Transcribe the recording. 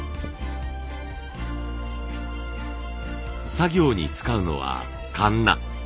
作業に使うのはカンナ。